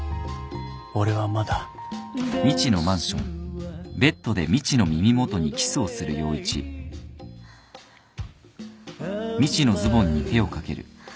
俺はまだあっ！